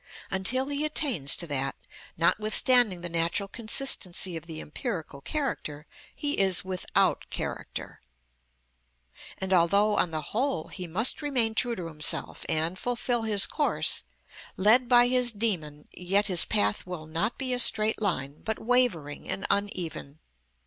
Until he attains to that, notwithstanding the natural consistency of the empirical character, he is without character. And although, on the whole, he must remain true to himself, and fulfil his course, led by his dæmon, yet his path will not be a straight line, but wavering and uneven.